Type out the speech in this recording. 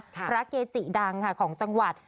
พระเกจิดังค่ะของจังหวัด